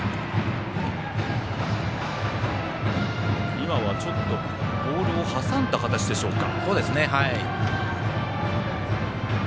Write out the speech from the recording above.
今はちょっとボールをはさんだ形でしょうか。